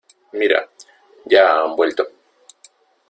Mira, ya han vuelto.